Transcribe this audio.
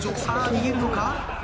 さあ逃げるのか？